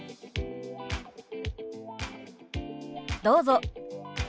どうぞ。